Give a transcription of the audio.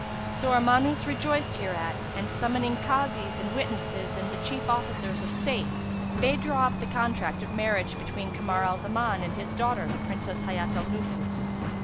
So Armanus rejoiced hereat and, summoning Kazis and witnesses and the chief officers of state, bade draw up the contract of marriage between Kamar al Zaman and his daughter, the Princess Hayat al Nufus.